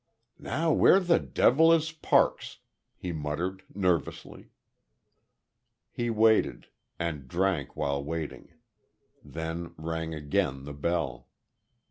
"Now where the devil is Parks?" he muttered, nervously. He waited; and drank while waiting. Then rang again the bell.